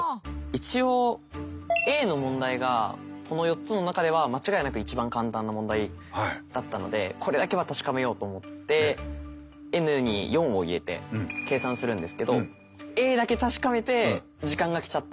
一応Ａの問題がこの４つの中では間違いなく一番簡単な問題だったのでこれだけは確かめようと思ってｎに４を入れて計算するんですけどＡだけ確かめて時間が来ちゃったので。